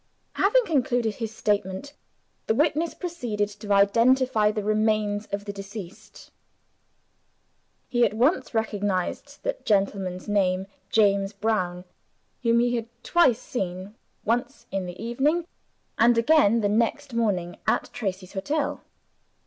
Having concluded his statement the witness proceeded to identify the remains of the deceased. He at once recognized the gentleman named James Brown, whom he had twice seen once in the evening, and again the next morning at Tracey's Hotel.